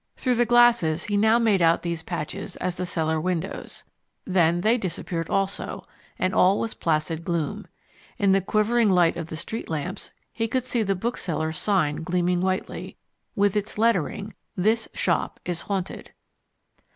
Through the glasses he now made out these patches as the cellar windows. Then they disappeared also, and all was placid gloom. In the quivering light of the street lamps he could see the bookseller's sign gleaming whitely, with its lettering THIS SHOP IS HAUNTED.